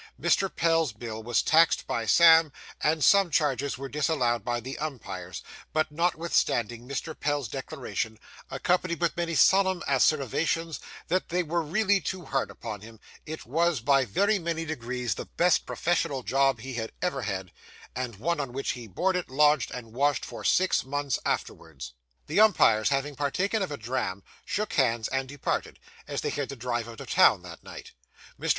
Mr. Pell's bill was taxed by Sam, and some charges were disallowed by the umpires; but, notwithstanding Mr. Pell's declaration, accompanied with many solemn asseverations that they were really too hard upon him, it was by very many degrees the best professional job he had ever had, and one on which he boarded, lodged, and washed, for six months afterwards. The umpires having partaken of a dram, shook hands and departed, as they had to drive out of town that night. Mr.